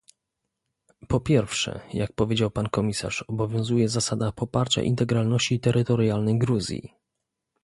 Po pierwsze, jak powiedział pan komisarz, obowiązuje zasada poparcia integralności terytorialnej Gruzji